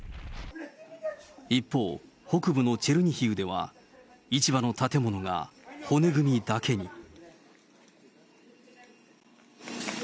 一方、北部のチェルニヒウでは、市場の建物が骨組みだけに。